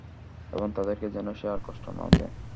এবং তাদেরকে যেন সে আর কষ্ট না দেয়।